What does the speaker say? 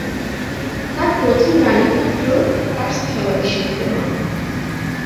তার প্রথম রানী পুত্র তার স্থলাভিষিক্ত হন।